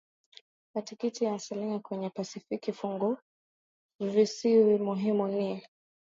Aktiki na Sakhalin kwenye Pasifiki Funguvisiwa muhimu ni